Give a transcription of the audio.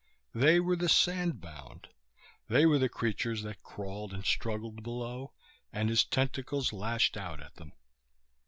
They were the sandbound. They were the creatures that crawled and struggled below, and his tentacles lashed out at them.